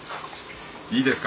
いいですか？